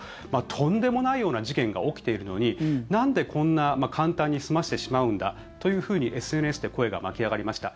とんでもないような事件が起きているのになんでこんな簡単に済ましてしまうんだというふうにＳＮＳで声が巻き上がりました。